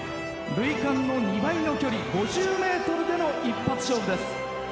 塁間の２倍の距離５０ｍでの一発勝負です。